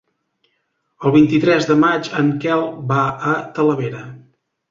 El vint-i-tres de maig en Quel va a Talavera.